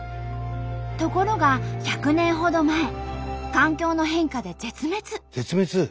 ところが１００年ほど前環境の変化で絶滅。